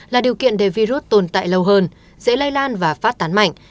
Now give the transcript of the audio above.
là điều kiện để virus tồn tại lâu hơn dễ lây lan và phát tán mạnh